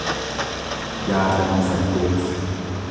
jaatamii saddeet